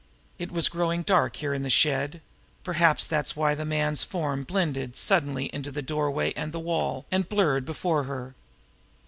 It was growing dark here in the shed now perhaps that was why the man's form blended suddenly into the doorway and wall, and blurred before her.